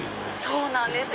そうなんです